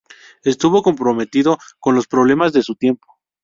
Estuvo comprometido con los problemas de su tiempo.